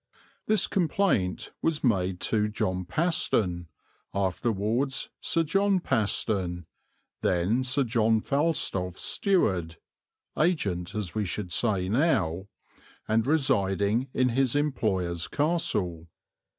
This complaint was made to John Paston, afterwards Sir John Paston, then Sir John Falstolf's steward, agent as we should say now, and residing in his employer's castle.